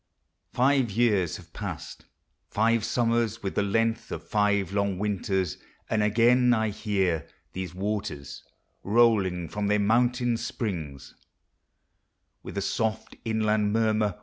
Five years have past; five summers, with the length Of five long winters! and again 1 hear These waters,* rolling from their mountain springs With a soft inland murmur.